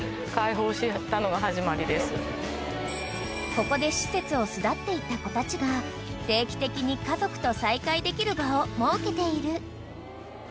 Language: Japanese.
［ここで施設を巣立っていった子たちが定期的に家族と再会できる場を設けている］